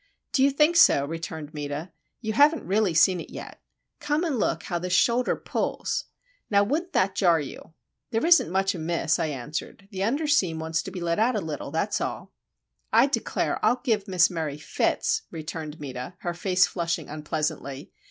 "Do you think so?" returned Meta, "You haven't really seen it yet. Come and look how this shoulder pulls. Now wouldn't that jar you!" "There isn't much amiss," I answered. "The underseam wants to be let out a little, that's all." "I declare I'll give Miss Murray fits," returned Meta, her face flushing unpleasantly.